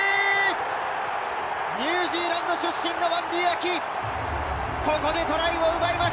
ニュージーランド出身のバンディー・アキ、ここでトライを奪いま